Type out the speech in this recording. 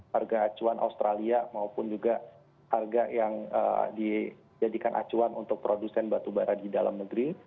harga acuan australia maupun juga harga yang dijadikan acuan untuk produsen batubara di dalam negeri